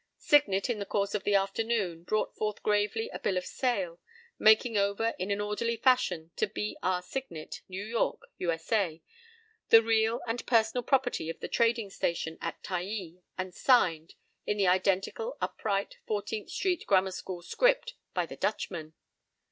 p> Signet, in the course of the afternoon, brought forth gravely a bill of sale, making over in an orderly fashion to B.R. Signet, New York, U.S.A., the real and personal property of the trading station at Taai, and "signed" in the identical, upright, Fourteenth Street grammar school script, by "the Dutchman."